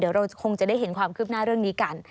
เดี๋ยวเราคงจะได้เห็นความคืบหน้าเรื่องนี้กัน